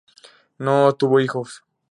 No tuvo hijos.